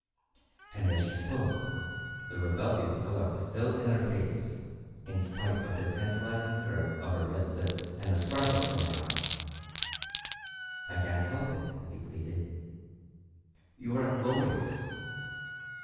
And as she spoke the rebellious colour was still in her face, in spite of the tantalizing curve of her red lips and the sparkle in her eyes. "I can't help it," he pleaded. "You are glorious!"